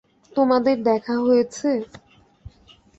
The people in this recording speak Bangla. তোমাদের দেখা হয়েছে?